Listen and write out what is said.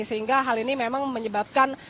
sehingga hal ini memang menyebabkan